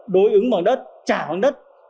đối ứng bằng đất trả bằng đất